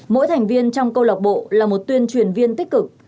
mỗi thành viên trong câu lạc bộ là một tuyên truyền viên tích cực